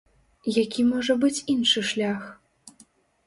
Які можа быць іншы шлях?